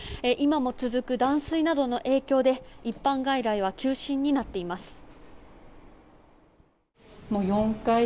今も続く断水などの影響で一般外来は休診になっています。